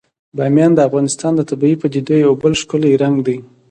بامیان د افغانستان د طبیعي پدیدو یو بل ښکلی رنګ دی.